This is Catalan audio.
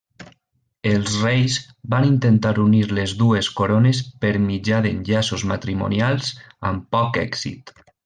Els reis van intentar unir les dues corones per mitjà d'enllaços matrimonials, amb poc èxit.